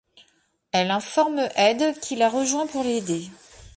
Elle informe Ed qui la rejoint pour l'aider.